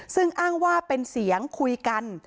ซึ่งอ้างว่าเป็นเสียงคุยกัน